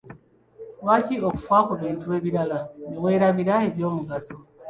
Lwaki okufa ku bintu ebirala ne weerabira eby’omugaso?